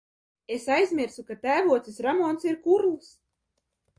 Es aizmirsu, ka tēvocis Ramons ir kurls!